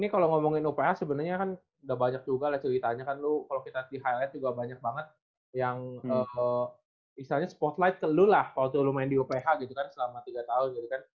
kalau ngomongin uph sebenarnya kan udah banyak juga lah ceritanya kan lu kalau kita di highlight juga banyak banget yang istilahnya spotlight ke lu lah kalau tuh lu main di uph gitu kan selama tiga tahun gitu kan